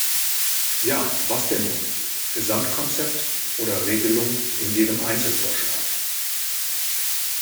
Ja, was denn nun Gesamtkonzept oder Regelung in jedem Einzelvorschlag?